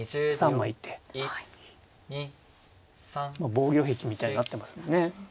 防御壁みたいになってますね。